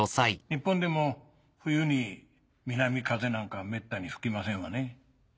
日本でも冬に南風なんかめったに吹きませんわね。